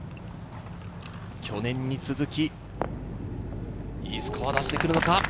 去年に続きいいスコアを出してくるのか。